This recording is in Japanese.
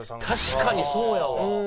確かにそうやわ。